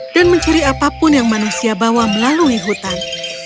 dan mencari apapun yang manusia bawa melalui hutan